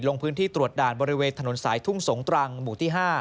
ลงพื้นที่ตรวจด่านบริเวณถนนสายทุ่งสงตรังหมู่ที่๕